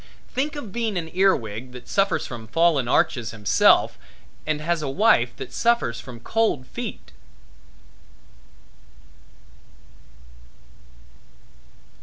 Think of being an ear wig, that suffers from fallen arches himself and has a wife that suffers from cold feet!